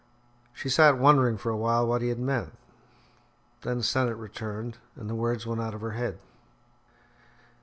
She sat wondering for a while what he had meant. Then Sennett returned, and the words went out of her head.